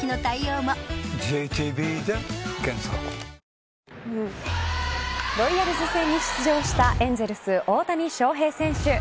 ６月に入ってロイヤルズ戦に出場したエンゼルス、大谷翔平選手。